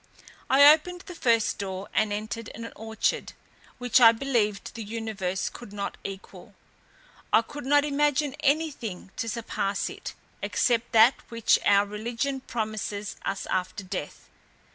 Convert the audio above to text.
I opened the first door, and entered an orchard, which I believe the universe could not equal. I could not imagine any thing to surpass it, except that which our religion promises us after death.